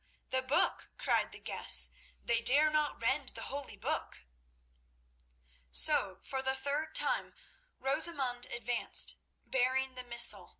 the book!" cried the guests. "They dare not rend the holy book!" So for the third time Rosamund advanced, bearing the missal.